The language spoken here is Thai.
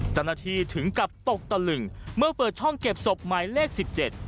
เจ้าหน้าที่ถึงกับตกตะลึงเมื่อเปิดช่องเก็บศพหมายเลขสิบเจ็ด